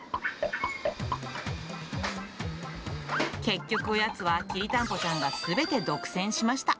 結局おやつはきりたんぽちゃんがすべて独占しました。